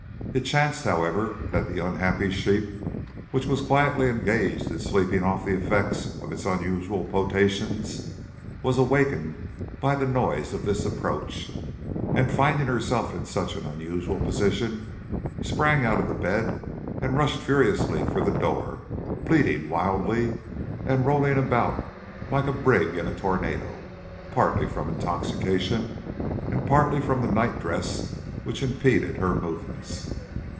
It chanced, however, that the unhappy sheep, which was quietly engaged in sleeping off the effects of its unusual potations, was awakened by the noise of this approach, and finding herself in such an unusual position, sprang out of the bed and rushed furiously for the door, bleating wildly, and rolling about like a brig in a tornado, partly from intoxication and partly from the night dress which impeded her movements.